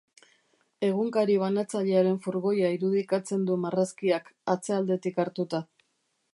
Egunkari banatzailearen furgoia irudikatzen du marrazkiak, atzealdetik hartuta.